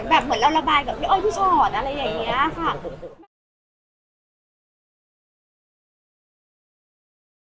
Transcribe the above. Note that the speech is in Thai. เหมือนเราระบายกับพี่อ้อยพี่ชอตอะไรอย่างนี้ค่ะ